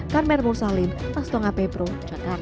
karmel mursalim rastong ap pro jakarta